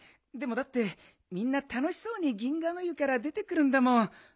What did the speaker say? でもだってみんなたのしそうに銀河の湯から出てくるんだもん。